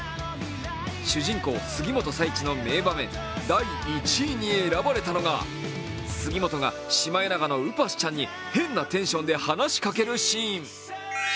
主人公・杉元佐一の名場面、第１位に選ばれたのが、杉元がシマエナガのウパシちゃんに変なテンションで話しかけるシーン。